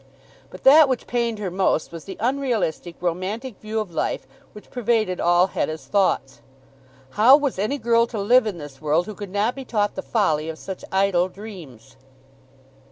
But that which pained her most was the unrealistic, romantic view of life which pervaded all Hetta's thoughts. How was any girl to live in this world who could not be taught the folly of such idle dreams?